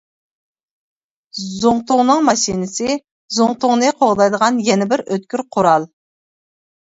زۇڭتۇڭنىڭ ماشىنىسى زۇڭتۇڭنى قوغدايدىغان يەنە بىر ئۆتكۈر قورال.